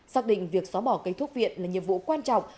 xác định việc xóa bỏ cây thuốc viện là nhiệm vụ quan trọng